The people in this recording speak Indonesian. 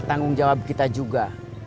tanggung jawab kita juga